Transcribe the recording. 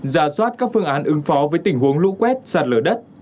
ra soát các phương án ứng phó với tình huống lũ quét sạt lở đất